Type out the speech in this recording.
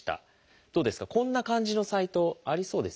どうですかこんな感じのサイトありそうですよね。